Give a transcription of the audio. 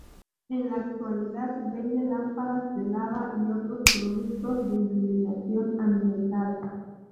En la actualidad vende lámparas de lava y otros productos de iluminación ambiental.